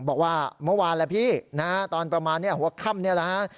บอกว่าเมื่อวานแหละพี่นะฮะตอนประมาณหัวค่ำนี่แหละฮะ